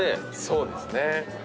そうですね。